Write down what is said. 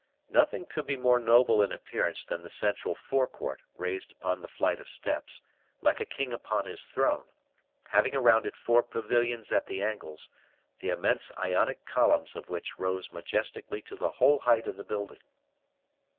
Nothing could be more noble in appearance than the central forecourt raised upon the flight of steps, like a king upon his throne, having around it four pavilions at the angles, the immense Ionic columns of which rose majestically to the whole height of the building.